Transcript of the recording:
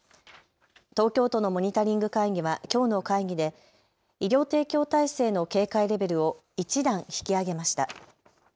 東京都のモニタリング会議はきょうの会議で医療提供体制の警戒レベルを１段引き上げました。